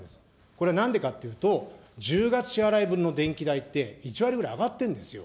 これなんでかっていうと、１０月支払い分の電気代って、１割ぐらい上がってんですよ。